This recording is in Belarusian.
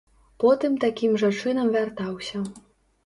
Потым такім жа чынам вяртаўся.